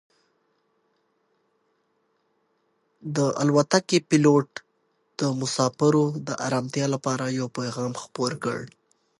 د الوتکې پېلوټ د مسافرو د ارامتیا لپاره یو پیغام خپور کړ.